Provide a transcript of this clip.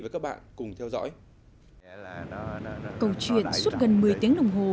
câu chuyện suốt gần một mươi tiếng đồng hồ